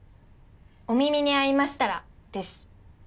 『お耳に合いましたら。』です。